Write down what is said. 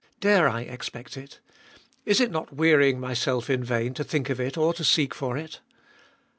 Dare I expect it ? Is it not wearying myself in vain to think of it or to seek for it?